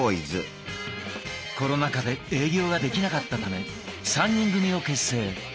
コロナ禍で営業ができなかったため３人組を結成。